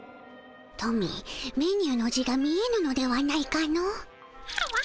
トミーメニューの字が見えぬのではないかの？はわはわ。